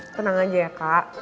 tenang aja ya kak